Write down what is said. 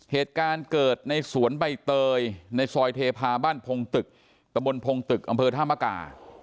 เหตุการณ์เกิดในสวนใบเตยในซอยเทพาบ้านพงตึกตะบนพงตึกอำเภอธามกา